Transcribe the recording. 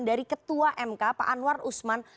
dari ketua mk pak anwar usman